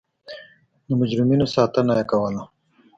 د مجرمینو ساتنه یې کوله.